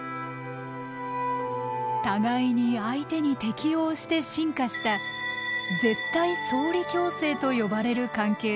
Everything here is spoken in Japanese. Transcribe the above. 互いに相手に適応して進化した絶対相利共生と呼ばれる関係です。